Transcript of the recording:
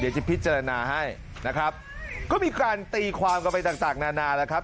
เดี๋ยวจะพิจารณาให้นะครับก็มีการตีความกันไปต่างนานาแล้วครับ